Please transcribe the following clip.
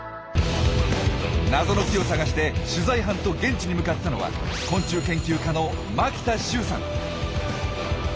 謎の木を探して取材班と現地に向かったのは昆虫研究家の牧田習さん。